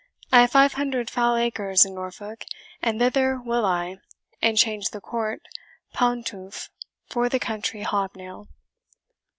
I have five hundred foul acres in Norfolk, and thither will I, and change the court pantoufle for the country hobnail."